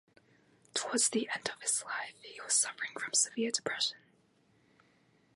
Towards the end of his life he was suffering from severe depression.